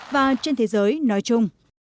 và trên thế giới nói chung